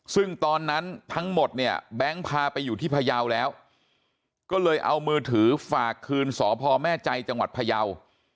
ซึ่งตอนนั้นทั้งหมดเนี่ยแบงค์พาไปอยู่ที่พยาวแล้วก็เลยเอามือถือฝากคืนสพแม่ใจจังหวัดพยาว